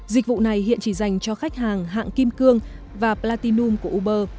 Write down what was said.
dịch vụ này hiện chỉ dành cho khách hàng hạng kim cương và platinum của uber